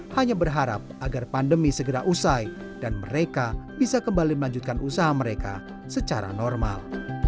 hanya berharap agar pandemi segera usai dan mereka bisa kembali melanjutkan usaha mereka secara normal